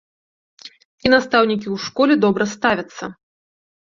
І настаўнікі ў школе добра ставяцца.